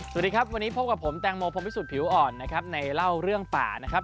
สวัสดีครับวันนี้พบกับผมแตงโมพรมพิสุทธิผิวอ่อนนะครับในเล่าเรื่องป่านะครับ